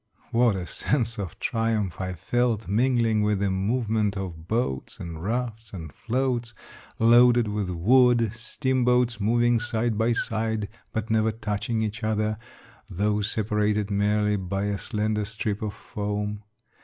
What a sense of triumph I felt, mingling with the movement of boats and rafts and floats loaded with wood, steam boats moving side by side, but never touching each other, though separated merely by a slender strip of foam